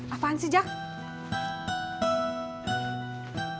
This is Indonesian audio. apaan sih jakk